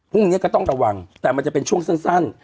พรุ่งนี้ก็ต้องระวังแต่มันจะเป็นช่วงสั้น